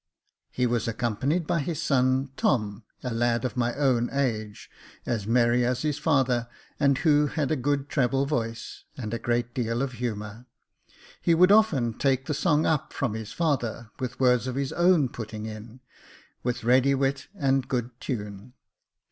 He was accompanied by his son Tom, a lad of my own age, as merry as his father, and who had a good treble voice and a great deal of humour : he would often take the song up from his father, with words of his own putting in, with ready wit and good tune.